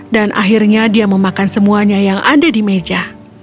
dan akhirnya dia memakan semuanya yang ada di meja